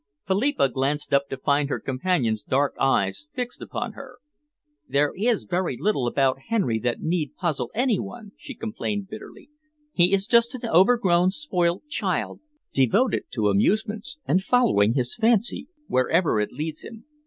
Philippa glanced up to find her companion's dark eyes fixed upon her. "There is very little about Henry that need puzzle any one," she complained bitterly. "He is just an overgrown, spoilt child, devoted to amusements, and following his fancy wherever it leads him.